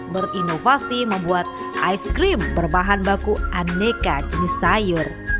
berinovasi membuat aiskrim berbahan baku aneka jenis sayur